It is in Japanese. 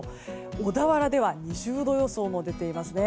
小田原では２０度予想も出ていますね。